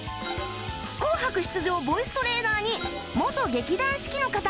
『紅白』出場ボイストレーナーに元劇団四季の方